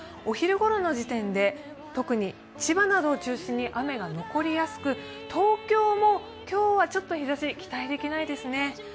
お昼ごろの時点で特に千葉などを中心に雨が残りやすく東京も今日はちょっと期待出来ないですね。